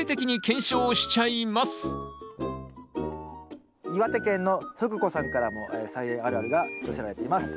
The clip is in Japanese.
ということで今回は岩手県の福子さんからも「菜園あるある」が寄せられています。